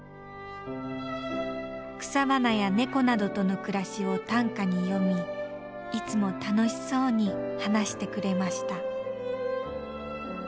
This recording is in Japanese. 草花や猫などとの暮らしを短歌に詠みいつも楽しそうに話してくれました。